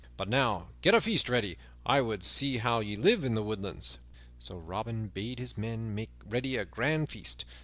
But now get a feast ready; I would see how ye live in the woodlands." So Robin bade his men make ready a grand feast.